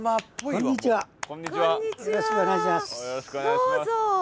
どうぞ。